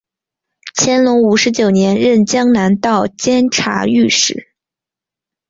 乾隆五十九年任江南道监察御史。